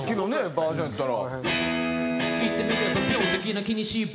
バージョンやったら。